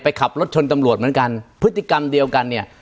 ขับรถชนตำรวจเหมือนกันพฤติกรรมเดียวกันเนี่ย